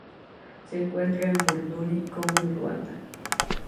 Se encuentra en Burundi, Congo y Ruanda.